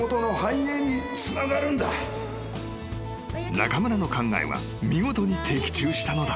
［中村の考えは見事に的中したのだ］